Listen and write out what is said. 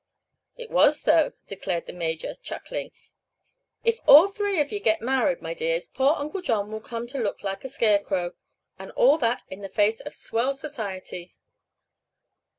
"It was, though," declared the Major, chuckling. "If all three of ye get married, my dears, poor Uncle John will come to look like a scarecrow and all that in the face of swell society!"